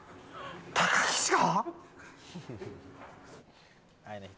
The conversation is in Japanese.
高岸が？